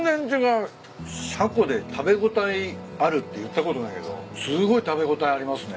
シャコで食べ応えあるって言ったことないけどすごい食べ応えありますね。